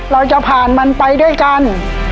เราจะผ่านมันไปด้วยกัน